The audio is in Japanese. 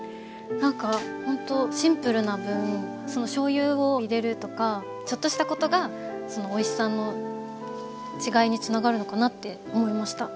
なんかほんとシンプルな分しょうゆを入れるとかちょっとしたことがおいしさの違いにつながるのかなって思いました。